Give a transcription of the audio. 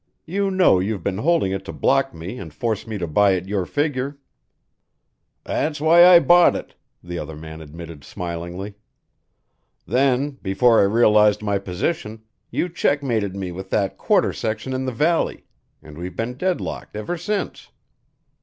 You know you've been holding it to block me and force me to buy at your figure." "That's why I bought it," the other admitted smilingly. "Then, before I realized my position, you checkmated me with that quarter section in the valley, and we've been deadlocked ever since."